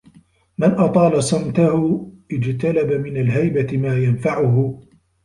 مَنْ أَطَالَ صَمْتَهُ اجْتَلَبَ مِنْ الْهَيْبَةِ مَا يَنْفَعُهُ